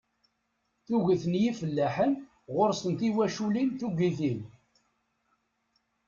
Tuget n yifellaḥen ɣur-sen tiwaculin tuggitin.